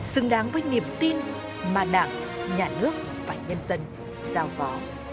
xứng đáng với niềm tin mà đảng nhà nước và nhân dân giao phó